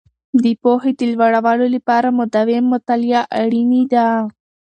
د پوهې د لوړولو لپاره مداوم مطالعه اړینې دي.